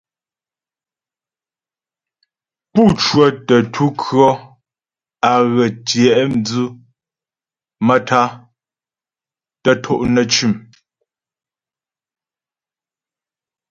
Pú cwətə ntu kʉɔ̌ á ghə tyɛ'dwʉ maə́tá'a tə to' nə́ cʉ̂m.